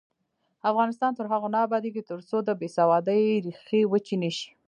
افغانستان تر هغو نه ابادیږي، ترڅو د بې سوادۍ ریښې وچې نشي.